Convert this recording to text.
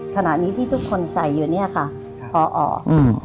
ถนานี้ที่ทุกคนใส่อยู่นี่ค่ะพอ